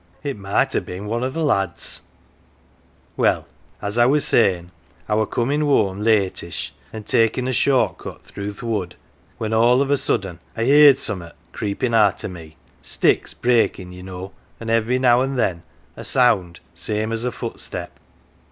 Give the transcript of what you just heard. It might ha' been one o' th' lads !' Well, as I were saying, I were comin' whoam latish, an' takin' a short cut through the wood, when all of a svidden I heerd summat creepin' arter me sticks breakin', ye know, an' every now an' then a sound same as a footstep.